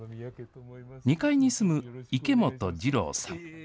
２階に住む池本次朗さん。